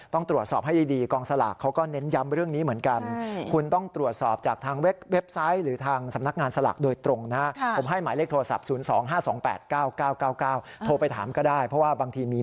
ต้องตรวจสอบให้ดีกองสลากเขาก็เน้นย้ำเรื่องนี้เหมือนกัน